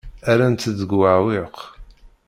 Rran-t deg uɛewwiq.